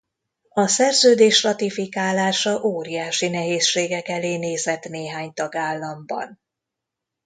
A szerződés ratifikálása óriási nehézségek elé nézett néhány tagállamban.